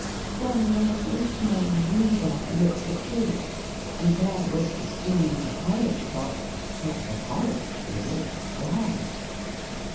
Then the Little, Small, Wee Bear looked, and there was the spoon in his porridge pot; but the porridge was all gone.